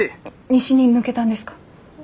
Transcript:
西に抜けたんですか？